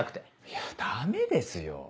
いやダメですよ